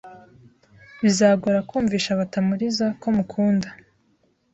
Bizagora kumvisha Batamuriza ko mukunda.